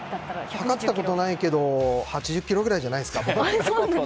計ったことないけど８０キロぐらいじゃないですか？